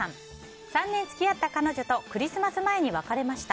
３年付き合った彼女とクリスマス前に別れました。